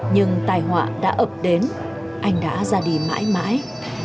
nhưng tài họa đã ập đến anh đã ra đi mãi mãi